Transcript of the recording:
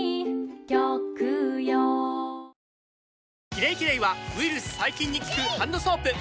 「キレイキレイ」はウイルス・細菌に効くハンドソープ！